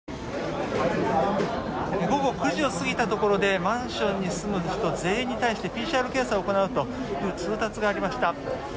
午後９時を過ぎたところでマンションに住む人全員に対してＰＣＲ検査を行うという通達がありました。